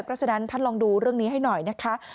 เพราะฉะนั้นท่านลองดูเรื่องนี้ให้หน่อยนะคะ